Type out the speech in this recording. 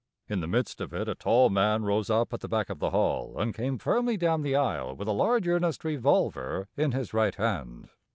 In the midst of it a tall man rose up at the back of the hall, and came firmly down the aisle with a large, earnest revolver in his right hand.